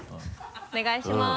お願いします。